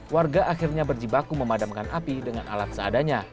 warga akhirnya berjibaku memadamkan api dengan alat seadanya